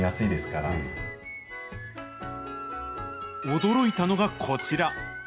驚いたのがこちら。